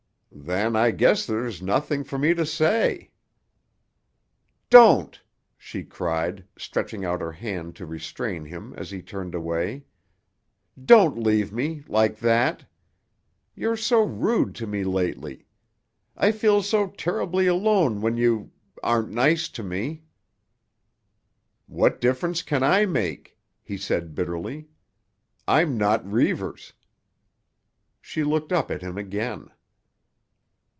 "Then I guess there's nothing for me to say." "Don't!" she cried, stretching out her hand to restrain him as he turned away. "Don't leave me—like that. You're so rude to me lately. I feel so terribly alone when you—aren't nice to me." "What difference can I make?" he said bitterly. "I'm not Reivers." She looked up at him again.